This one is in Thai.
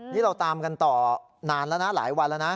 นี่เราตามกันต่อนานแล้วนะหลายวันแล้วนะ